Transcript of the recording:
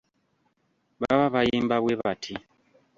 Baba bayimba bwe bati.